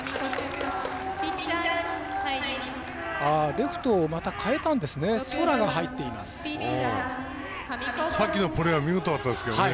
レフトをまた代えたんですね。